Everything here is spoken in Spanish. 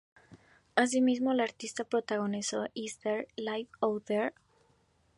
Asimismo, la artista protagonizó "Is There Life Out There?